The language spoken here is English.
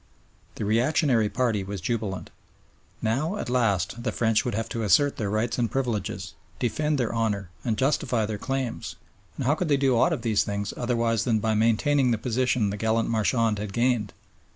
The reactionary party was jubilant. Now, at last, the French would have to assert their rights and privileges, defend their honour and justify their claims; and how could they do aught of these things otherwise than by maintaining the position the gallant Marchand had gained?